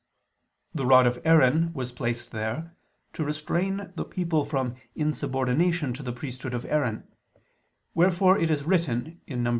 The rod of Aaron was placed there to restrain the people from insubordination to the priesthood of Aaron; wherefore it is written (Num.